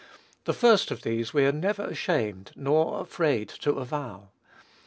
The first of these we are never ashamed or afraid to avow.